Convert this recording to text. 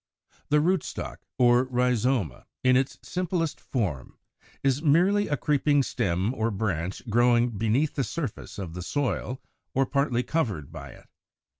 =The Rootstock, or Rhizoma=, in its simplest form, is merely a creeping stem or branch growing beneath the surface of the soil, or partly covered by it.